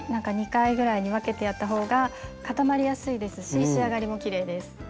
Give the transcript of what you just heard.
２回ぐらいに分けてやった方が固まりやすいですし仕上がりもきれいです。